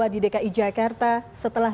di dki jakarta setelah